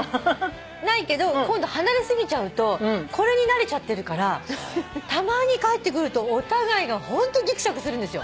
ないけど今度離れ過ぎちゃうとこれに慣れちゃってるからたまに帰ってくるとお互いがホントぎくしゃくするんですよ。